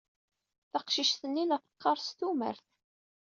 Taqcict-nni la teqqar s tumert.